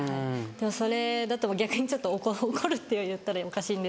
でもそれだと逆にちょっと怒るって言ったらおかしいんですけど。